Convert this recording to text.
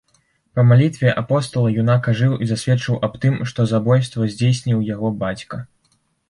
Па малітве апостала юнак ажыў і засведчыў аб тым, што забойства здзейсніў яго бацька.